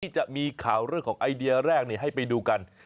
จะมีข่าวเรื่องของไอเดียแรกให้ไปดูกัน